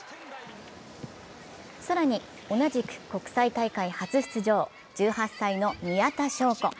更に同じく国際大会初出場、１８歳の宮田笙子。